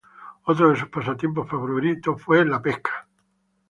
Otro de sus pasatiempos favoritos fue la pesca.